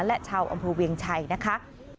และชาวอำเภอเวียงชัยนะคะ